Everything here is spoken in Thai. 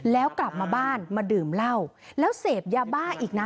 แล้วกลับมาบ้านมาดื่มเหล้าแล้วเสพยาบ้าอีกนะ